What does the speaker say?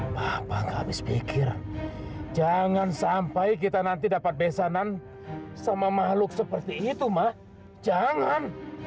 papa gak habis pikir jangan sampai kita nanti dapat besanan sama makhluk seperti itu mah jangan